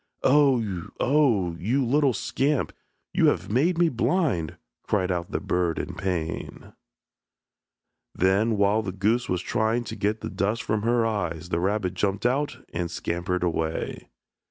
"Oh, oh, you little scamp, you have made me blind," cried out the bird in pain. Then while the goose was trying to get the dust from her eyes the rabbit jumped out and scampered away.